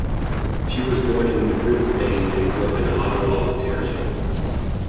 She was born in Madrid, Spain, and grew up in Ottawa, Ontario.